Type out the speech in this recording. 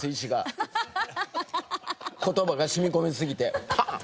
言葉が染み込みすぎてパンッ！